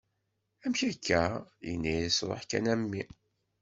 Amek akka? Yenna-as ruḥ kan a mmi.